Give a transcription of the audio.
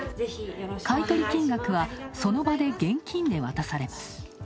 買い取り金額は、その場で現金で渡されます。